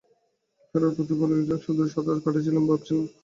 ফেরার পথে পুরোটা সময় আমি শুধু সাঁতার কাটছিলাম আর ভাবছিলাম আমরা কী করব।